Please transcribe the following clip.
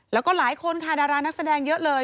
แล้วก็หลายคนค่ะดารานักแสดงเยอะเลย